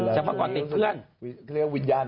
จากตอนติดเพื่อน